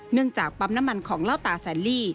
เนื่องจากปั๊บน้ำมันของเหล้าตาแสลี่